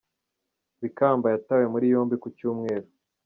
Bikamba yatawe muri yombi ku Cyumweru.